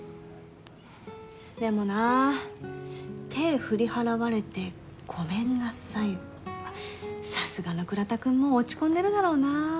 でもな手ぇ振り払われて「ごめんなさい」はさすがの倉田くんも落ち込んでるだろうなあ。